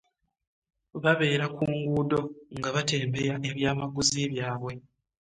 Babeera ku nguudo nga batembeeya eby'amaguzi byabwe.